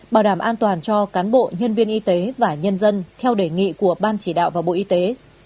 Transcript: bảo đảm an toàn cho cán bộ nhân viên y tế và nhân dân theo đề nghị của ban chỉ đạo và bộ y tế